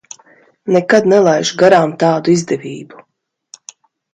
Nekad nelaižu garām tādu izdevību.